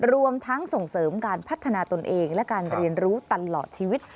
รวมทั้งส่งเสริมการพัฒนาตนเองและการเรียนรู้ตลอดชีวิต